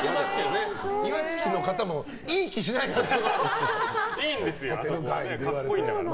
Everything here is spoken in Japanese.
岩槻の方もいい気しないですから。